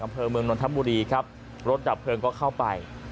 อำเภอเมืองนนทบุรีครับรถดับเพลิงก็เข้าไป